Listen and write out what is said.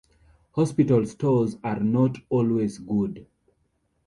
Hospital stores are not always good.